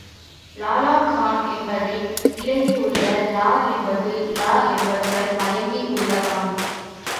லளஃகான் என்பதின் இடையிலுள்ள ள என்பது ல என்பதுடன் மயங்கி உள்ளதாம்.